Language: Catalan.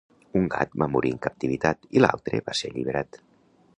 Un gat va morir en captivitat i l'altre va ser alliberat.